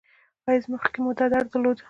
ایا مخکې مو دا درد درلود؟